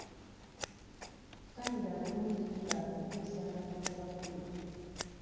Fukamira bulungi nga obuuza abantu abakulu.